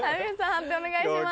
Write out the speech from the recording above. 判定お願いします。